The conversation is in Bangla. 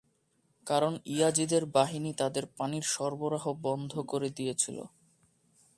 কারণ ইয়াজিদের বাহিনী তাদের পানির সরবরাহ বন্ধ করে দিয়েছিলো।